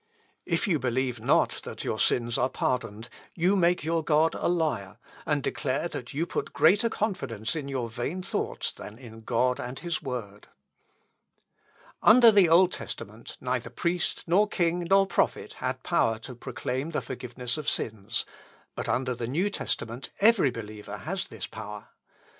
"If you believe not that your sins are pardoned, you make your God a liar, and declare that you put greater confidence in your vain thoughts than in God and his word. "Under the Old Testament neither priest, nor king, nor prophet, had power to proclaim the forgiveness of sins; but under the New Testament every believer has this power.